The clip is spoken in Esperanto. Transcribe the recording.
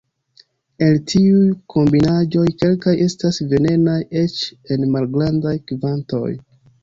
El tiuj kombinaĵoj, kelkaj estas venenaj, eĉ en malgrandaj kvantoj.